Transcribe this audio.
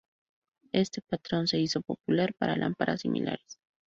Este patrón se hizo popular para lámparas similares.